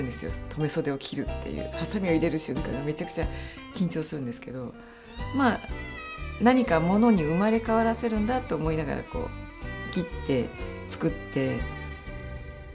留め袖を切るっていうはさみを入れる瞬間はめちゃくちゃ緊張するんですけどまあ何かものに生まれ変わらせるんだと思いながら切って作って。